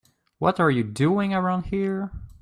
What are you doing around here?